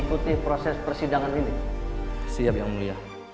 saudara iqbal apakah anda sudah berhenti